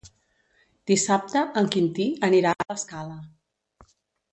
Dissabte en Quintí anirà a l'Escala.